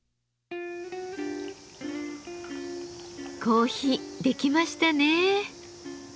コーヒーできましたね。